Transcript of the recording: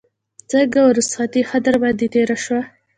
څنګه وه رخصتي ښه در باندې تېره شوه.